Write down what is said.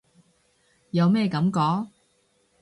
有咩感覺？